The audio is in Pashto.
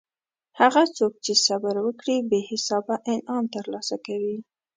هغه څوک چې صبر وکړي بې حسابه انعام ترلاسه کوي.